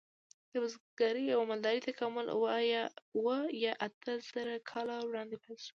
د بزګرۍ او مالدارۍ تکامل اوه یا اته زره کاله وړاندې پیل شو.